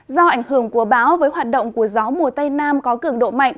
do ảnh hưởng của báo với hoạt động của gió mùa tây nam có cường độ mạnh